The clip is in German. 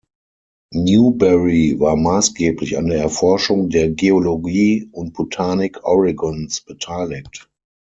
Newberry war maßgeblich an der Erforschung der Geologie und Botanik Oregons beteiligt.